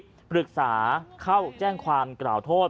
ปรึกษาเข้าแจ้งความกล่าวโทษ